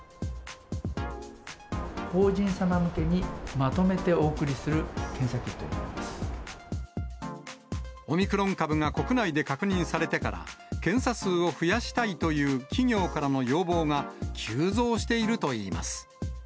法人様向けにまとめてお送りオミクロン株が国内で確認されてから、検査数を増やしたいという企業からの要望が、急増しているといいます。